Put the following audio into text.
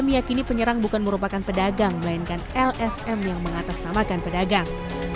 meyakini penyerang bukan merupakan pedagang melainkan lsm yang mengatasnamakan pedagang